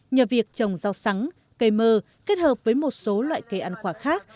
nhờ việc trồng rau sắn cây mơ kết hợp với một số loại cây ăn quả khác